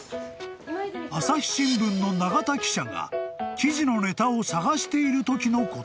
［朝日新聞の長田記者が記事のネタを探しているときのこと］